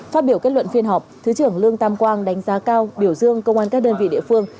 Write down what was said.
phát biểu kết luận phiên họp thứ trưởng lương tam quang đánh giá cao biểu dương công an các đơn vị địa phương